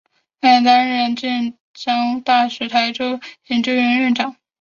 他还担任浙江大学台州研究院院长。